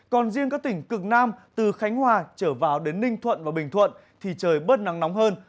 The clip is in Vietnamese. còn riêng các tỉnh cực nam từ khánh hòa trở vào đến ninh thuận và bình thuận thì trời bớt nắng nóng hơn